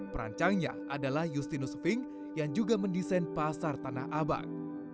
perancangnya adalah justinus fink yang juga mendesain pasar tanah abang